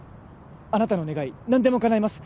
あなたの願い何でもかなえます